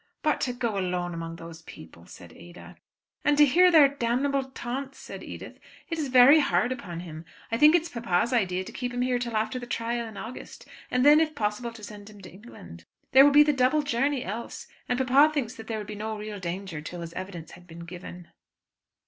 "But to go alone among these people!" said Ada. "And to hear their damnable taunts!" said Edith. "It is very hard upon him. I think it is papa's idea to keep him here till after the trial in August, and then, if possible, to send him to England. There would be the double journey else, and papa thinks that there would be no real danger till his evidence had been given."